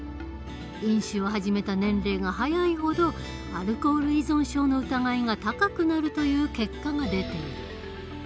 飲酒を始めた年齢が早いほどアルコール依存症の疑いが高くなるという結果が出ている。